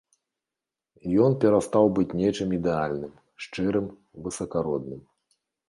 Ён перастаў быць нечым ідэальным, шчырым, высакародным.